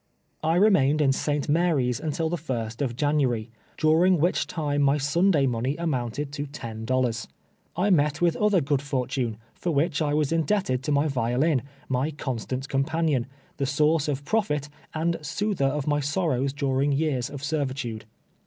I remained in ISt. Mary's until tlie iirst of January, during which time my Sunday money amounted to ten doHai's. I met with other good fortune, for which I was indebted to my violin, my constant compani<;)n, the source of profit, and soother of my sorrows during years of servitude.